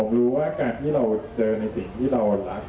รู้ว่าการที่เราเจอในสิ่งที่เรารัก